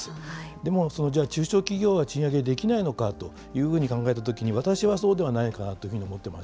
でも、中小企業は賃上げできないのかというふうに考えたときに、私はそうではないかなというふうに思ってます。